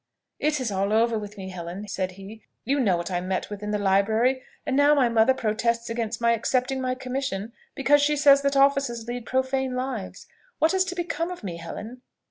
"It is all over with me, Helen!" said he. "You know what I met with in the library; and now my mother protests against my accepting my commission, because she says that officers lead profane lives. What is to become of me, Helen!"